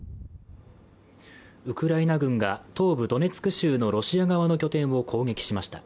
ウクライナ軍が東部ドネツク州のロシア側の拠点を攻撃しました。